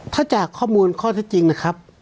ถ้าจากข้อมูลข้อเท็จจริงนะครับ